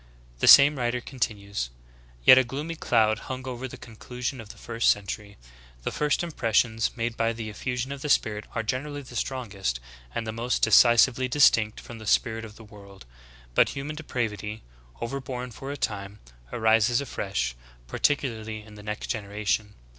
The same writer continues : "Yet a gloomy cloud hung over the con clusion of the first century. The first impressions made by the effusion of the Spirit are generally the strongest and the most decisively distinct from the spirit of the world. But human depravity, over born for a time, arises afresh, par ticularly in the next generation.